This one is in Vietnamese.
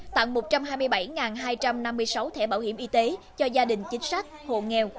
tặng một trăm hai mươi bảy hai trăm năm mươi sáu thẻ bảo hiểm y tế cho gia đình chính sách hộ nghèo